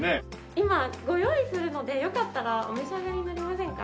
今ご用意するのでよかったらお召し上がりになりませんか？